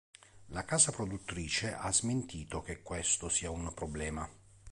La casa produttrice ha smentito che questo sia un problema.